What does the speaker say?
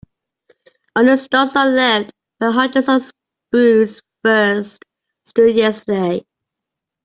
Only stumps are left where hundreds of spruce firs stood yesterday.